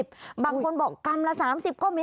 บางคนบอกกรัมละ๓๐ก็มี